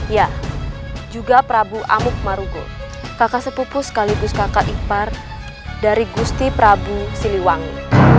ya juga prabu amuk marugo kakak sepupu sekaligus kakak ipar dari gusti prabu siliwangi